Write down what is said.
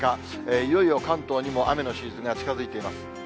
いよいよ関東にも雨のシーズンが近づいています。